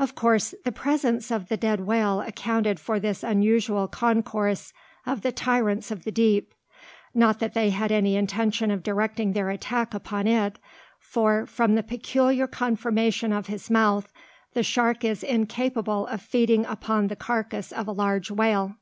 Of course the presence of the dead whale accounted for this unusual concourse of the tyrants of the deep. Not that they had any intention of directing their attack upon it: for, from the peculiar conformation of his mouth, the shark is incapable of feeding upon the carcass of a large whale.